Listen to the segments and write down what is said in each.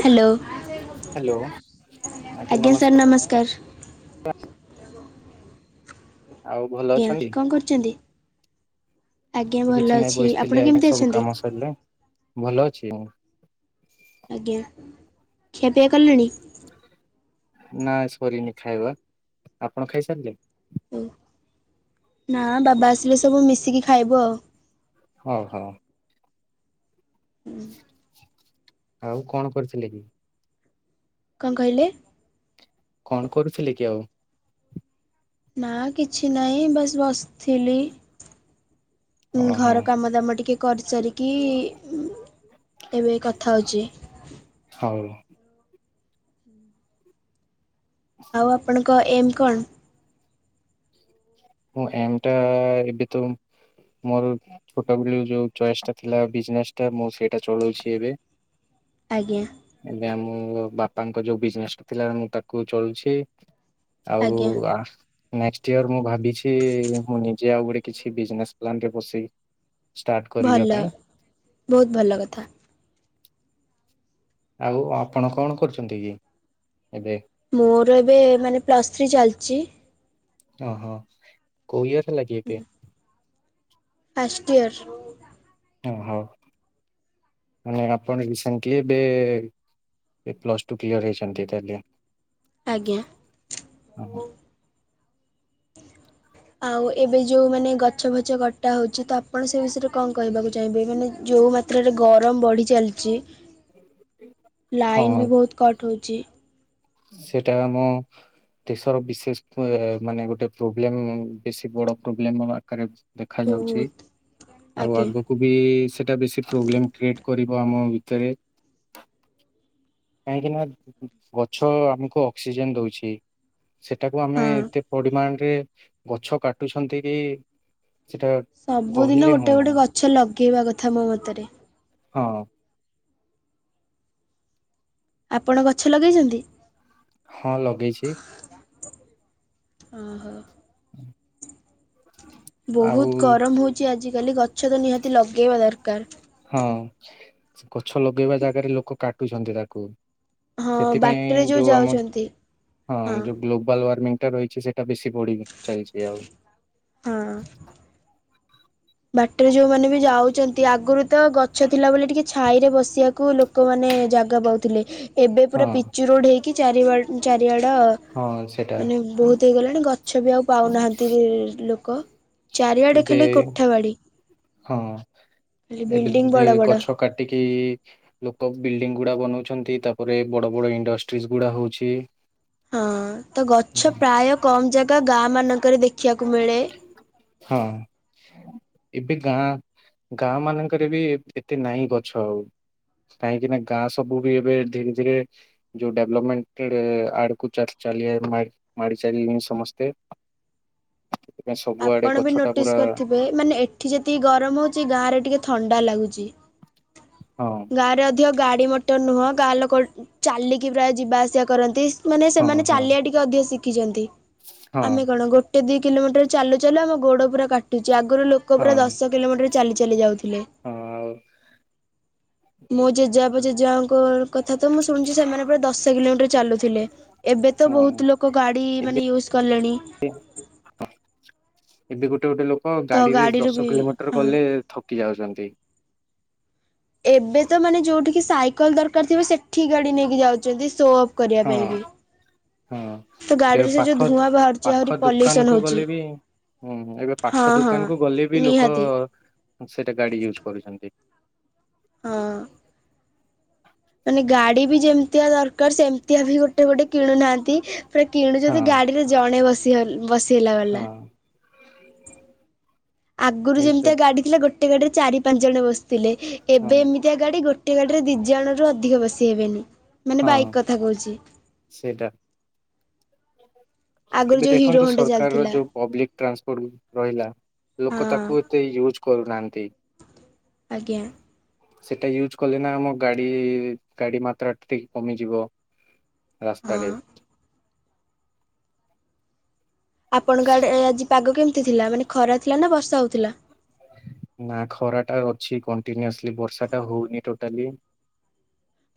Hello. Hello ଆଜ୍ଞା ନମସ୍କାର। [inaudible] ଆଉ ଭଲ ଆଜ୍ଞା ଅଛନ୍ତି? କଣ କରୁଛନ୍ତି? ଆଜ୍ଞା ଭଲ କିଛି ନାଇଁ ଅଛି ଆପଣ ବସିଥିଲି ଆଜ୍ଞା କେମିତି ସବୁ ଅଛନ୍ତି? କାମ ସରିଲେ ଭଲ ଅ ଆଛ। ଆଜ୍ଞା ଖଆପଆ କଲଣି? ନା ସରିନି ଖାଇବା ଆପଣ ଖାଇ ସାରିଲେ। ଓ ନା ବାବା ଆସିଲେ ସବୁ ମିଶିକି ଖାଇବ ଆଉ ହଉ ହଉ। ହୁଁ। ଆଉ କଣ କରିଥିଲେ କି? କଣ କହିଲେ? କଣ କରୁଥିଲେ କି ଆଉ? ନା କିଛି ନହିଁ ବାସ ବସିଥିଲି ଓହୋ ଘର କାମ ଦାମ ଟିକେ କରିଚାରିକି ଏବେ କଥା ହେଉଛି। ହଉ ଆଉ ଆପଣଙ୍କ ଏମ୍ କଣ? ହଁ ଏମଟା ଏବେ ତ ମୋର ଛୋଟ ବ ଯୋଉ ଚଏସ୍ ଟା ଥିଲା ବିଜନେସ ଟା ମୁଁ ସେଇଟା ଚଳଉଛି ଏବେ। ଆଜ୍ଞା ଏବେ ଆମ ମୋ ବାପାଙ୍କ ଯୋଉ ବିଜନେସା ଥିଲା ମୁଁ ତାକୁ ଚଳୁଛି ଆଉ ଆଜ୍ଞା ନେକ୍ସ ଇୟର ମୁଁ ଭାବିଛି ମୁଁ ନିଜେ ଆଉ ଗୋଟେ କିଛି ବିଜନେସ୍ ପ୍ଲାନ ରେ ବସେଇି ଷ୍ଟାର୍ଟ କରିବା ଭଲ ପାଇଁ ବହୁତ ଭଲ କଥା। ଆଉ ଆପଣ କଣ କରୁଛନ୍ତି କି ଏବେ? ମୋର ଏବେ ମାନେ ପ୍ଲସ୍ ଥ୍ରୀ ଚାଲିଛି। ଓ ହୋ କୋଉ ଇୟର ହେଲା କି ଏବେ? ପାଷ୍ଟଟିୟାର। ଓ ହୋ ଆପଣ ରସେଣ୍ଟଲି ଏବେ। ଇଟ୍ ପ୍ଲସ୍ ଟୁ କ୍ଲିୟର ହେଇଛନ୍ତି ତାହାଲେ ଆଜ୍ଞା। ଆଉ ଏବେ ଯୋଉ ମାନେ ଗଛ ଫଛ କଟା ହଉଛି ତ ଆପଣ ସେ ବିଷୟରେ କଣ କହିବାକୁ ଚାହିଁବେ ମାନେ ଯେଉଁ ମାତ୍ରାରେ ଗରମ ବଢ଼ି ଚାଲିଛି। ହଁ ଲାଇନ୍ ବି ବହୁତ କଟ ହଉଛି। ସେଇଟା ଆମ ଦେଶର ବିଶେଷ ମାନେ ଗୋଟେ ପ୍ରୋବ୍ଲେମ ବେଶୀ ବଡ ପ୍ରୋବ୍ଲେମ ଦେଖା ଯାଉଛି ବହୁତ ଆଉ ଆଜ୍ଞା ଆଗକୁ ବି ସେଟା ବେଶୀ ପ୍ରୋବ୍ଲେମ କ୍ରିଏଟ କର ଆମ ଭିତରେ କାହିଁକି ନା। ଗଛ ଆମକୁ ଅକ୍ସିଜେନ ଦଉଛି ସେଟାକୁ ଆମେ ହଁ ଏତେ ପରିମାଣରେ ଗଛ କାଟୁଛନ୍ତି କି? ସେଟା ସବୁଦିନ କହିଲେ ଗୋଟେ ହଉନି ଗୋଟେ ଗଛ ଲଗେଇବା କଥା ମୋ ମତରେ। ହଁ। ଆପଣ ଗଛ ଲଗେଇଛନ୍ତି? ହଁ ଲଗେଇଛି। ଓ ହୋ। ଆଉ ବହୁତ ଗରମ ହଉଛି ଆଜିକାଲି ଗଛ ତ ନିହାତି ଲଗେଇବା ହଁ ଦରକାର। ଗଛ ଲଗେଇବା ଜାଗାରେ ଲୋକ କାଟୁଛନ୍ତି ତାକୁ। ହଁ ବାଟରେ ସେଥିପାଇଁ ଯୋଉ ଆମ ଯାଉଛନ୍ତି ହଁ ଯୋଉ ଗ୍ଲୋବାଲ ୱାର୍ମିଂ। ଟା ରହିଛି ସେଇଟା ବେଶୀ ବଢି ଚାଲିଛି ଆଉ ହଁ। ବାଟରେ ଯୋଉମାନେେ ବି ଯାଉଛନ୍ତି ଆଗରୁ ତ ଗଛ ଥିଲା ବୋଲି ଟିକେ ଛାଇ ରେ ବସି ଲୋକମାନେ ଜାଗା ପାଉଥିଲେ ଏବେ ହଁ ପ ପିଚୁ ରୋଡ ହେ ଡ ହଁ ସେଟା ମାନେ ବହୁତ ହେଇଗଲାଣି ଗଛ ବି ଆଉ ପାଉନାହାନ୍ତି। ଚାରିଆଡ଼େ ଏବେ ଖାଲି କୋଠା ବାଡି ହଁ। ଖାଲି ବିଲ୍ଡିଂ ଏବେ ବଡ ବଡ ଗଛ କାଟିକି ଲୋକ ବିଲ୍ଡିଙ୍ଗ ଗୁଡା ବନଉଛନ୍ତି ତାପରେ ବଡ ବଡ ଇଣ୍ଡଷ୍ଟ୍ରିଜ ଗୁଡା ହଉଛି। ହଁ ତ ଗଛ ପ୍ରାୟ କମ ଜାଗା ଗାଁ ମାନଙ୍କରେ ଦେଖିବାକୁ କୁ ମିଳେ ହଁ ଏବେ ଗାଁ ଗାଁ ମାନଙ୍କରେ ବି ଏତେ ନାହିଁ ଗଛ ଆଉ କାହିଁକି ନା ଗାଁ ସବୁ ବି ଏବେ ଧୀରେ ଧୀରେ ଯୋଉ ଡେଭଲପମେଣ୍ଟ ଆଡକୁ ଚାଲିଛି ଚାଲିଆ ମାାର ଚାଲି ସମସ୍ତେ [unintelligible] ସବୁଆଡେ ଆପଣ ବି ଗଛଟା ନୋଟିସ୍ ପୁରା କରିଥିବେ ମାନେ ଏଠି ଯେତିକି ଗରମ ହଉଛି ଗାଁ ରେ ଟିକେ ଥଣ୍ଡା ଲାଗୁଛି ଜି [unintelligible] ହଁ ଗାଁ ରେ ଅଧିକ ଗାଡି ମଟର ନୁହଁ ଗାଁ ଲୋକ ଚାଲିକି ପ୍ରାୟ ଯିବା ଆସିବା କରନ୍ତି । ମାନେ ହଁ ସେମାନେ ହଁ ଚାଲିବା ଟିକେ ଅଧିକ ଶିଖିଛନ୍ତି ହଁ ଆମେ କଣ ଗୋଟେ ଦି କିଲୋମିଟର ଚାଲୁ ଚାଲୁ ଆମ ଗୋଡ଼ ପୁରା କାଟୁଛି ଆଗରୁ ଲୋକ ପୁରା ହଁ ଦଶ କିଲୋମିଟର ଚାଲି ଚାଲି ଯାଉଥି ଲେ ହଁ ମୋ ଜେଜେବାପ ଜେଜେବାଙ୍କ କଥା ତ ମୁଁ ଶୁଣୁଛି ସେମାନେ ପୁରା ଦଶ କିଲୋମିଟର ଚାଲୁଥିଲେ ଏବେ ତ ହଁ ବହୁତ ଲୋକ ଗାଡି, ମାନେ ୟୁଜ କଲେଣି ହଁ ଏବେ ଗୋଟେ ଗୋଟେ ଲୋକ ତ ଗାଡିରେ ଗାଡ଼ିରୁ ଦଶ ବି କିଲୋମିଟର ହଁ ଗଲେ ଥକି ଯାଉଛନ୍ତି ଏବେ ତ ମାନେ ଯୋଉଠିକି ସାଇକେଲ ଦରକାର ଥିବ ସେଠି ଗାଡି ନେଇକି ଯାଉଛନ୍ତି ସୋପ କରିବା ହଁ ପାଇଁ ବି ହଁ ତ ଏବେ ଗାଡିରେ ସେ ଯୋଉ ପାଖ ଧୂଆଁ ବାହାରୁିଛି ପାଖ ଆହୁରି ଦୋକାନ ପଲ୍ୟୁସନ କୁ ହଉଛି ଗଲେ ବି ହୁଁ ଏବେ ପାଖ ହଁ ହଁ ଦୋକାନ କୁ ଗଲେ ବି ଲୋକ ନିହାତି ସେଟା ଗାଡି ୟୁଜ କରୁଛନ୍ତି ହଁ ମାନେ ଗାଡି ବି ଯେମିତିଆ ଦରକାର ସେମିତିଆ ବି ଗୋଟେ ଗୋଟେ କିଣୁନାହାନ୍ତି ପୁରା ହଁ କିଣୁଛନ୍ତି ଗାଡିରେ ଜଣେ ବସି ବସି ହେଲା ବାଲା ହଁ ଆଗରୁ ଏଇ ତ ଯେମିତି ଗାଡି ଥିଲା ଗୋଟେ ଗାଡିରେ ଚାରି ପାଞ୍ଚ ଜଣ ବସି ଥିଲେ ହଁ ଏବେ ଏମିତିଆ ଗାଡି ଗୋଟେ ଗାଡିରେ ଦି ଜଣ ରୁ ଅଧିକ ବସି ହେବେନି ମାନେ ହଁ ବାଇକ୍ କଥା କହୁଛି । ସେଇଟା ଏବେ ହିରୋ ଦେଖନ୍ତୁ ହୋଣ୍ଡା ସରକାର ର ଚାଲିଥିଲା ଯୋଉ ପବ୍ଲିକ ଟ୍ରାନ୍ସପୋର୍ଟ ରହିଲା ଲୋକ ହଁ ତାକୁ ଏତେ ୟୁଜ କରୁନାହାନ୍ତି। ଆଜ୍ଞା। ସେଟା ୟୁଜ୍ କଲେ ନା ଆମ ଗାଡି ଗାଡି ମାତ୍ରା ଟା ଟିକେ କମିଯିବ। ରାସ୍ତାରେ ହଁ। ଆପଣଙ୍କ ଆଡେ ଆଜି ପାଗ କେମିତି ଥିଲା, ମାନେ ଖରା ଥିଲା ନା ବର୍ଷା ହଉଥିଲା । ନା ଖରାଟା ଅଛି କଣ୍ଟିନ୍ୟୁସଲି ବର୍ଷା ଟା ହଉନି ଟୋଟାଲି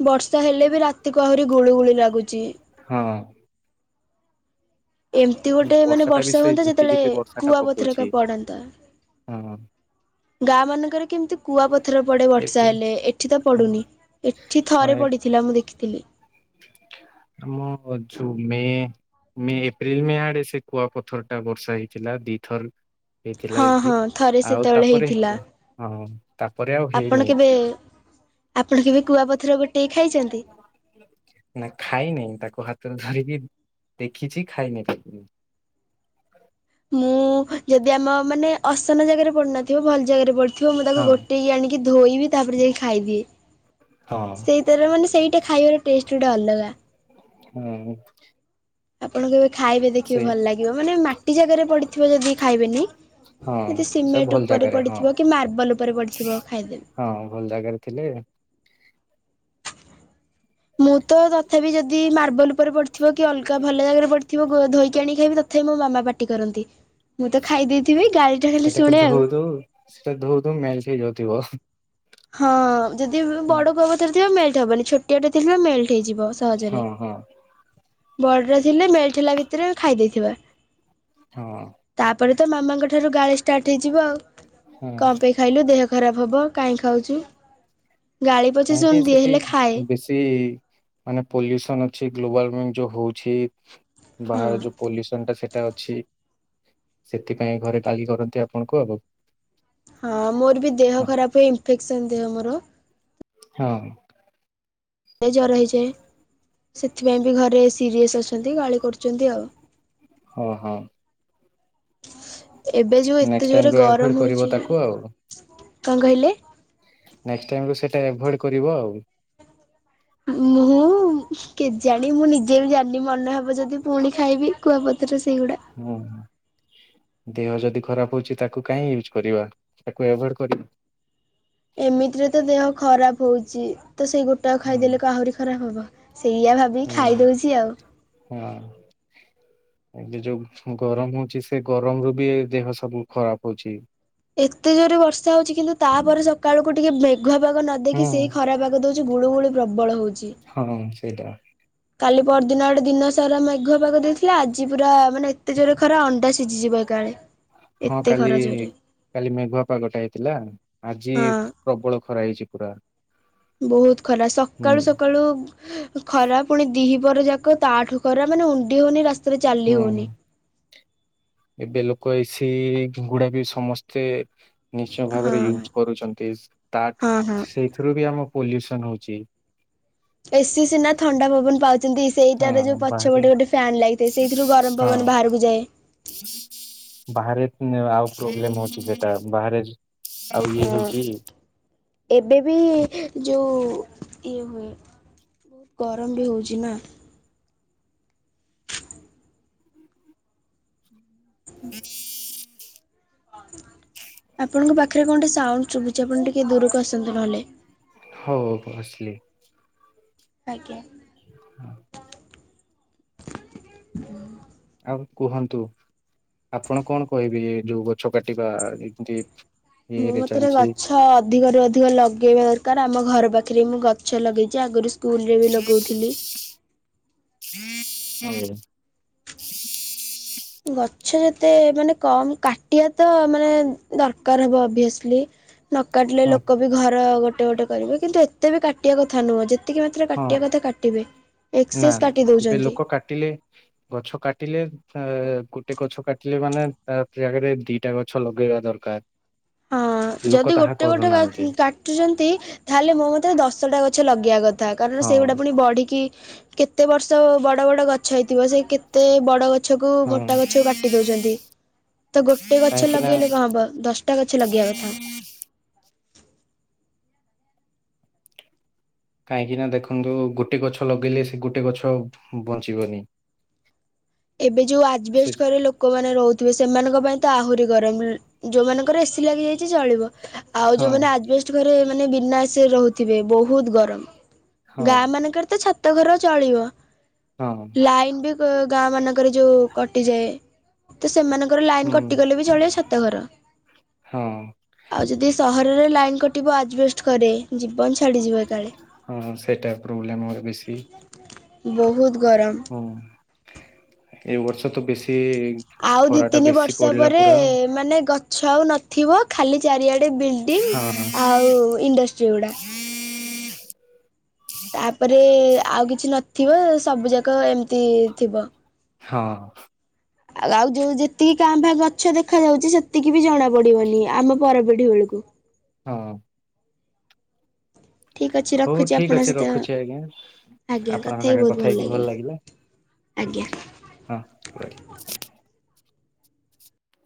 ବର୍ଷା ହେଲେ ବି ରାତିକୁ ଆହୁରି ଗୁଳିୁ ଗୁଳି ଲାଗୁଛି । ହଁ। ଏମିତି ଗୋଟେ ମାନେ ଟା ବି ବର୍ଷା ସେ ହୁଅନ୍ତା, ଝିପି ଝିପି ଯେତେବେଳେ ବର୍ଷା ଟା କୁଆ ପକଉଛି ପଥରକାା ପଡନ୍ତା । ହଁ ଗାଁ ମାନଙ୍କରେ କେମିତି କୁଆ ପଥର ପଡେ, ବର୍ଷା ଏବେ ହେଲେ ଏଠି ତ ପଡୁନି । ଏଠି ହଁ ଥରେ ପଡିଥିଲା, ମୁଁ ଦେଖିଥିଲି । ଆମ ଜୁମେ [unintelligible] ମେ ଏପ୍ରିଲ ମେ ଆଡେ ସେ କୁଆ ପଥର ଟା ବର୍ଷା ହେଇଥିଲା ଦି ଥର ହେଇଥିଲା ହଁ ଏଠି ହଁ ଥରେ ଆଉ ସେତେବେଳେ ତାପରେ ହେଇଥିଲା ହଁ ତାପରେ ଆଉ ହେଇନି ଆପଣ କେବେ, ଏଠି। ଆପଣ କେବେ କୁଆପଥର ଗୋଟେଇ ଖାଇଛନ୍ତି। ନା ଖାଇନହିଁ ତାକୁ ହାତ ତ ଧରିକି ଦେଖିଛି ଖାଇନି ତାକୁ। ମୁଁ ଯଦି ଆମ ମାନେ ଅସନ ଜାଗାରେ ପଡୁନଥିବ, ଭଲ ଜାଗାରେ ପଢୁ ଥିବ ମୁଁ ତାକୁ ହଁ ଗୋଟେଇକି ଆଣିକି ଧୋଇବି, ତାପରେ ଯାଇି ଖାଇଦିଏ ହଁ ସେଇ ତାର ମାନେ ସେଇଟା ଖାଇବାର ଟେଷ୍ଟ ଗୋଟେ ଅଲଗା । ହୁଁ। ଆପଣଙ୍କୁ କେବେ ଖାଇବେ ଦେଖିବେ, ଭଲ ଲାଗିବ ମାନେ ମାଟି ଜାଗାରେ ପଡିଥିବ, ଯଦି ଖାଇବେନି। ହଁ ଯଦି ସେ ସିମେଣ୍ଟ ଭଲ ଉପରେ ଜାଗାରେ ହଁ ପଡିଥିବ କି ମାର୍ବଲ ଉପରେ ପଡିଥିବ ଖାଇଦେବେ । ହଁ ଭଲ ଜାଗାରେ ଥିଲେ ମୁଁ ତ ତଥାପି ଯଦି ମାର୍ବଲ ଉପରେ ପଡିଥିବ କି ଅଲଗା ଭଲ ଜାଗାରେ ପଡିଥିବ ଧୋଇକି ଆଣି ଖାଇବି ତଥାପି ମୁଁ ମୋ ମାମା ପାଟି କରନ୍ତି ମୁଁ ତ ଖାଇ ଦେଇଥିବି, ଗାଳିଟା ଖାଲି ଶୁଣେ ଆଉ ଧୁ ଧୁ ମେି [unintelligible] ଯତି ହ ହଁ ଯଦି ବଡ ପର୍ବତରେ ଥିବା ମେଳ୍ଟ୍ ହବନି ଛୋଟିଆଟେ ଥିବା ମେଳ୍ଟ୍ ହେଇଯିବ ସହଜରେ ହଁ ହଁ ବଡରେ ଥିଲେ ମେଲ୍ଠ ହେଲା ଭିତରେ ଖାଇ ଦେଇଥିବା ହଁ। ତାପରେ ତ ମାମାଙ୍କ ଠାରୁ ଗାଳି ଷ୍ଟାର୍ଟ ହେଇଯିବ ଆଉ ହଁ କଣ ପାଇଁ ଖାଇଲୁ ଦେହ ଖରାପ ହବ କାଇଁ ଖାଉଛି। କାହିଁକି ସେଠି ବେଶୀ ମାନେ ପଲ୍ୟୁସନ ଅଛି ଗ୍ଲୋବାଲ ଯୋଉ ହଉଛି, ବାହାର ହଁ ଯୋଉ ପଲ୍ୟୁସନ ଟା ସେଇଟା ଅଛି ସେଥିପାଇଁ ଘରେ ଗାଲି କରନ୍ତି ଆପଣଙ୍କୁ ଆଉ ହଁ ମୋର ବି ଦେହ ଖରାପ ହୁଏ, ଇନଫେକ୍ସନ ଦେହ ମୋର ହଁ। ସେ ଜର ହେଇ ଯାଏ । ସେଥିପାଇଁ ବି ଘରେ ସିରିଅସ ଅଛନ୍ତି, ଗାଳି କରୁଛନ୍ତି ଆଉ। ହଁ ହୋ। ଏବେ ଯୋଉ ଏତେ ନେକ୍ସଟ୍ ଟାଇମ୍ ଜୋରରେ ରୁ ଆଭଏଡ୍ ଗରମ କରିବ ହଉଛି ତାକୁ ଆଉ। । କଣ କହିଲେ? ନେକ୍ଷ୍ଟ ଟାଇମରୁ ସେଇଟା ଆଭଏଡ୍ କରିବ, ଆଉ। ମୁଁ କେଜାଣି ମୁଁ ନିଜେ ବି ଜାଣିନି ମନେ ହବ ଯଦି ପୁଣି ଖାଇବି କୁଆପଥର ସେଇଗୁଡା। ହୁଁ ହୁଁ। ଦେହ ଯଦି ଖରାପ ହଉଛି ତାକୁ କହିଁ ୟୁଜ କରିବା, ତାକୁଭଏଡ କରିବା ଏମିତିରେ ତ ଦେହ ଖରାପ ହଉଛି, ତ ସେଇ ଗୋଟା ହୁଁ ଖାଇଦେଲେ କ ଆହୁରି ଖରାପ ହବ ସେଇଆ ଭାବି ହଁ ଖାଇଦଉଛି ଆଉ ହଁ ଏବେ ଯୋଉ ଗରମ ହଉଛି, ସେ ଗରମ ରୁ ବି ଦେହ ସବୁ ଖରାପ ହଉଛି । ଏତେ ଜୋରେ ବର୍ଷା ହଉଛି କିନ୍ତୁ ତାପରେ ସକାଳକୁୁ ଟିକେ ମେ ଘୁଆ ପାଗ ନଦେଇକି ହୁଁ ସେଇ ଖରା ପାଗ ଦଉଛି ଗୁଳୁ ଗୁଳୁ ପ୍ରବଳ ହଉଛି। ହଁ ସେଇଟା କାଲି ପରଦିନ ଗଟେ ଦିନ ସାରା ମେଘ ପାାଗ ଦେଇଥିଲା ଆଜି ପୁରା ମାନେ ଏତେ ଜୋରେ ଖରା ଅଣ୍ଡା ସିଝିଯିବ। ତାଳେ ହଁ କାଲି କାଲି ମେଘୁଆ ପାଗଟା ହେଇଥିଲା ଆଜି ହଁ ପ୍ରବଳ ଖରା ହେଇଛି ପୁରା। ବହୁତ ଖରା ହୁଁ ସକାଳୁ ସକାଳୁ ଖରା ପୁଣି ଦିହି ପର ଯାକ ତାଠୁ ଖରା ମାନେ ଉଣ୍ଡି ହଉନି ରାସ୍ତାରେ ଚାଲି ହୁଁ ହଉନି। ଏବେ ଲୋକ ଏସି ଗୁଡା ବି ସମସ୍ତେ ନିଶ୍ଚୟ ହଁ ଭାବରେ ୟୁଜ କରୁଛନ୍ତି ତା ହଁ ହଁ। ସେଇଥିରୁ ବି ଆମ ପଲ୍ୟୁସନ ହଉଛି। ଏସିି ସିନା ଥଣ୍ଡା ପବନ ପାଉଛନ୍ତି। ହଁ ସେଇଟାରେ ଯୋଉ ବାହାରେ ପଛପଟେ ଗୋଟେ ଫ୍ୟାନ୍ ଲାଗିଥାଏ ସେଇଥିରୁ ଗରମ ପବ ହଁ ବାହାରକୁ ଯାଏ। ବାହାରେ ଆଉ ପ୍ରୋବ୍ଲେମ ହଉଛି ସେଟା ବାହାରେ ଆଉ ଇଏ ହଁ ହେଇକି ଏବେ ବି ଯୋଉ ଇଏ ହୁଏ ବହୁତ ଗରମ ବି ହଉଛି ନା? [unintelligible] ଆପଣଙ୍କ ପାଖରେ କଣେ ସାଉଣ୍ଡ ଶୁଭୁଛି ଆପଣ ଟିକେ ଦୂରକୁ ଆସନ୍ତୁ ନହେଲେ। ହଉ ହଉ ଆସିଲି। ଆଜ୍ଞା। ହଁ। ହ ଆଉ କୁହନ୍ତୁ ଆପଣ କଣ କହିବେ ଯୋଉ ଗଛ କାଟିବା ଏମିତି ମୋ ଇଏରେ ମତରେ ଚାଲିଛି ଗଛ ଅଧିକ ରୁ ଅଧିକ ଲଗେଇବା ଦରକାର ଆମ ଘର ପାଖି ଥିରେ ମୁଁ ଗଛ ଲଗେଇଛି ଆଗରୁ ସ୍କୁଲରେ ବି ଲଗଉଥିଲି। ହୁଁ [unintelligible] ଗଛ ଯେତେ ମାନେ କମ କାଟିବା ତ ମାନେ ଦରକାର ହବ ଅଭିଅସଲି। ନ କାଟିଲେ ହଁ ଲୋକ ବି ଘର ଗୋଟେ ଗୋଟେ କରିବେ କିନ୍ତୁ ଏତେ ବି କାଟିବା କଥା ନୁହଁ ଯେତ୍ ଏତିକି ମାତ୍ର ହଁ କାଟିବା କଥା କାଟିବେ। ନା ଏକ୍ସେସ୍ କାଟି ଏବେ ଦଉଛନ୍ତି। ଲୋକ କାଟିଲେ ଗଛ କାଟିଲେ ଏଁ ଗୋଟେ ଗଛ କାଟିଲେ ମାନେ ତା ଜାଗାରେ ଦିଟା ଗଛ ଲଗେଇବା ଦରକାର। ହଁ ଲୋକ ଯଦି ତାହା ଗୋଟେ ଗୋଟେ କରୁନାହାନ୍ତି କାଟୁଛନ୍ତି ତାହେଲେ ମୋ ମତେ ଦଶଟା ଗଛ ଲଗେଇବା କ ଥା କାରଣ ହଁ ସେଇଗୁଡା ପୁଣି ବଢିକି କେତେ ବର୍ଷ ବଡ ବଡ ଗଛ ହେଇଥିବ ସେ କେତେ ବଡ ଗ ଗଛ କ ହଁ ମୋଟା ଗଛକୁ କାଟି ଦଉଛନ୍ତି ତ ଗୋଟେ ଗଛ କାହିଁକି ନା ଲଗେଇଲେ କଣ ହବ ଦଶ ଗଛ ଲଗେଇିବା କଥା। କାହିଁକି ନା ଦେଖନ୍ତୁ ଗୋଟେ ଗଛ ଲଗେଇଲେ ସେ ଗୋଟେ ଗଛ ବଞ୍ଚିବନି। [inaudible] ଏବେ ଯୋଉ ସେ ଆଜବେଷ୍ଟ ଘରେ ଲୋକମାନେ ରହୁଥିବେ ସେମାନଙ୍କ ପାଇଁ ଆହୁରି ଗରମ ଯୋଉ ମାନଙ୍କର ଏସି ଲାଗି ଯାଇଛି ଚଳିବ ଆଉ ହଁ ଯୋଉମାନେ ଆଷ୍ଟ ଘରେ ମାନେ ବିନା ଏସି ରେ ରହୁଥିବେ ବହୁତ ହଁ ଗରମ ଗାଁ ମାନଙ୍କରେ ତ ଛା ତ ଘର ଚଳିବ ହଁ ଲାଇନ ବି ଗାଁ ମାନଙ୍କରେ ଯୋଉ କଟିଯାଏ ତ ସେମାନଙ୍କର ଲାଇନ ହୁଁ କଟିଗଲେ ବି ଚଳେଇ ସତ ତ ଘର ହଁ ଆଉ ଯଦି ସହର ଲାଇନ କଟିବ ଆଜବେଷ୍ଟ ଘରେ ଜୀବନ ଛାଡିଯିବ ଏକାଳେ। ହଁ ସେଇଟା ପ୍ରୋବ୍ଲେମ ଆର ବେଶୀ ବହୁତ ଗରମ ହଁ ଏ ବର୍ଷ ତ ବେଶୀ ଆଉ ଦି ଖରା ଟା ତିନି ବେଶୀ ବର୍ଷ ପଡିଲା ପରେ ପୁରା ମାନେ ଗ ଛଉ ନଥିବ ଖାଲି ଚାରିଆଡେ ବିଲ୍ଡିଂ ହଁ ହଁ ଆଉ ଇଣ୍ଡଷ୍ଟ୍ରି ଗୁଡା। ତାପରେ ଆଉ କିଛି ନଥିବ ସବୁ ଯାକ ଏମିତି ଥିବ। ହଁ। ଆଉ ଆଉ ଯୋଉ ଯେତିକି କାଁ ଫା ଗଛ ଦେଖା ଯାଉଛି। ସେତିକି ବି ଜଣା ପଡିବନି, ଆମ ପରପିଢି ବେଳକୁ। ହଁ। ଠିକ୍ ଅଛି ହଉ ରଖୁଛି ଠିକ୍ ଆପଣଙ୍କ ଅଛି ସହିତ ରଖୁଛି ଆଜ୍ଞା। ଆପଣଙ୍କ ସାଙ୍ଗରେ କଥା ହେଇକି ଭଲ ଲାଗିଲା। ଠିକ୍ ଆଜ୍ଞା। ଅଛି। ହଁ ରହିଲ।